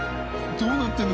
どうなってるの？